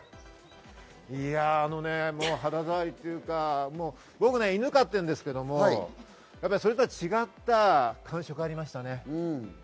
あのね、もう肌触りというか、僕、犬飼ってるんですけれども、それとは違った感触ありましたね。